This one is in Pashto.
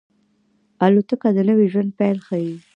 الوتکه د نوي ژوند پیل ښيي.